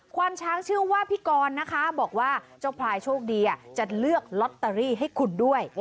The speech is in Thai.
ความช้างชื่อว่าพี่กรนะคะบอกว่าเจ้าพลายโชคดีจะเลือกลอตเตอรี่ให้คุณด้วย